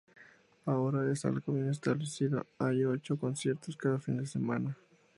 Ahora es algo bien establecido, hay ocho conciertos cada fin de semana.